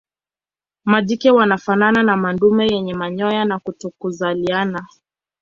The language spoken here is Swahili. Majike wanafanana na madume yenye manyoya ya kutokuzaliana.